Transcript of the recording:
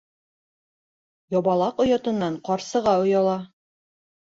Ябалаҡ оятынан ҡарсыға ояла.